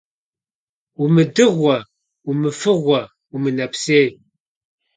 Умыдыгъуэ, умыфыгъуэ, умынэпсей.